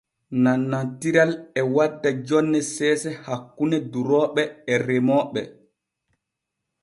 Nannantiral e wadda jonne seese hakkune durooɓe e remooɓe.